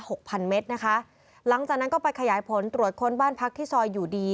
หกพันเมตรนะคะหลังจากนั้นก็ไปขยายผลตรวจค้นบ้านพักที่ซอยอยู่ดี